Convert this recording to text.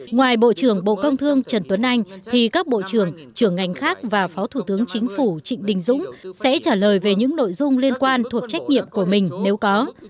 ngoài bộ trưởng bộ công thương trần tuấn anh thì các bộ trưởng trưởng ngành khác và phó thủ tướng chính phủ trịnh đình dũng sẽ trả lời về những nội dung liên quan thuộc trách nhiệm của mình nếu có